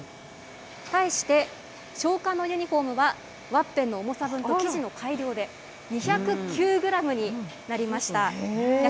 対して昇華のユニホームは、ワッペンの重さの分と生地の改良で、２０９グラムになりました。